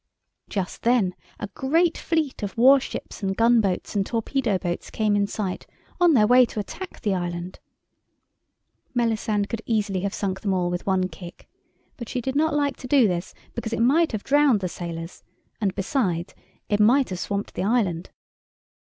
Just then a great fleet of warships and gunboats and torpedo boats came in sight, on their way to attack the island. Melisande could easily have sunk them all with one kick, but she did not like to do this because it might have drowned the sailors, and besides, it might have swamped the island.